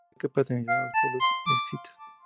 Se cree que pertenecían a los pueblos escitas.